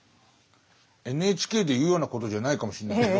ＮＨＫで言うようなことじゃないかもしんないんだけど。